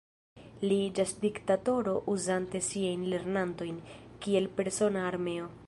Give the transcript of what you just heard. Li iĝas diktatoro uzante siajn lernantojn kiel persona armeo.